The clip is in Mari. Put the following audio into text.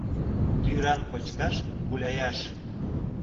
Тӱран почкаш — гуляяш.